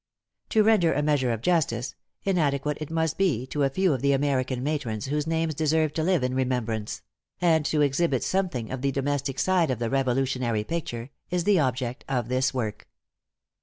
To render a measure of justice inadequate it must be to a few of the American matrons, whose names deserve to live in remembrance and to exhibit something of the domestic side of the Revolutionary picture is the object of this work.